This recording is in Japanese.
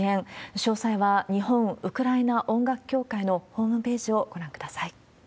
詳細は、日本ウクライナ音楽協会のホームページをご覧ください。